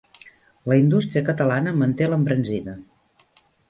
La indústria catalana manté l'embranzida.